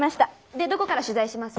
でどこから取材します？